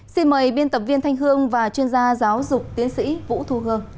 xin mời biên tập viên thanh hương và chuyên gia giáo dục tiến sĩ vũ thu hương